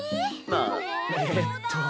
あっえっと。